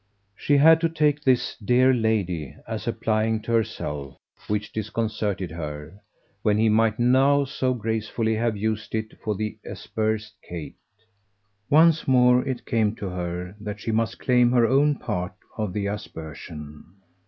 She had to take this "dear lady" as applying to herself; which disconcerted her when he might now so gracefully have used it for the aspersed Kate. Once more it came to her that she must claim her own part of the aspersion.